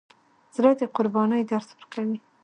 زړه د قربانۍ درس ورکوي.